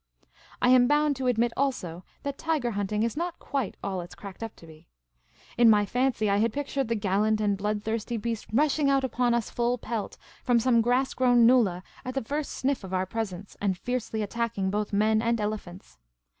I am bound to admit also that tiger hunting is not quite all it is cracked up to be. In my fancy I had pictured the gallant and bloodthirsty bea.st rushing out upon us full pelt from some grass grown nullah at the first sniff of our presence, and fiercely attacking both men and elephants.